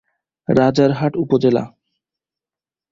রাজারহাট উপজেলা